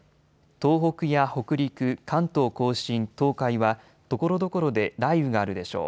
東北や北陸、関東甲信、東海はところどころで雷雨があるでしょう。